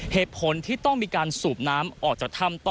เหตุผลที่ต้องมีการสูบน้ำออกจากถ้ำต่อ